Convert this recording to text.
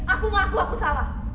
aku mengaku aku salah